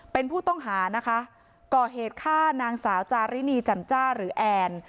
เป็นผู้ต้องหานะคะก่อเหตุฆ่านางสาวจารินีจำจ้าหรือแอน